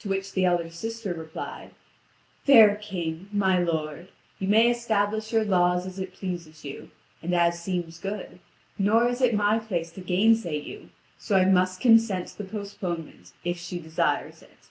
To which the elder sister replied: "Fair King, my lord, you may establish your laws as it pleases you, and as seems good, nor is it my place to gainsay you, so I must consent to the postponement, if she desires it."